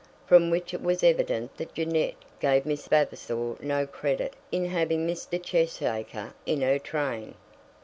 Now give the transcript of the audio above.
From which it was evident that Jeannette gave Miss Vavasor no credit in having Mr. Cheesacre in her train.